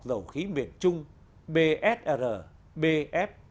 dầu khí miền trung bsr bf